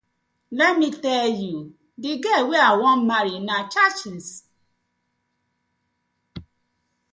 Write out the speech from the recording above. Lemme teeh yu, de girl wey I wan marry na chasis.